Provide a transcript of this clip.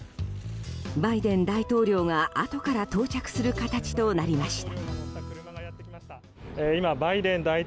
バイデン大統領が、あとから到着する形となりました。